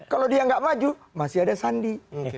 kalau dia nggak maju masih ada sandi